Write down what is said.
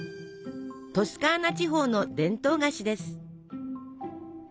トスカーナ地方の伝統菓子です。